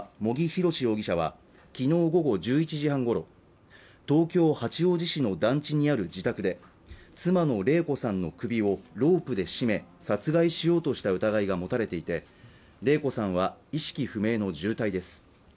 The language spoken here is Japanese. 博容疑者は昨日午後１１時半ごろ東京八王子市の団地にある自宅で妻の礼子さんの首をロープで絞め殺害しようとした疑いが持たれていて礼子さんは意識不明の重体です